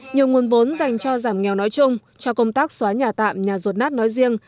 nhiều nguồn vốn dành cho giảm nghèo nói chung cho công tác xóa nhà tạm nhà rột nát nói riêng